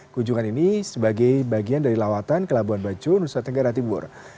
keunjungan ini sebagai bagian dari lawatan ke labuan bacu nusa tenggara tibur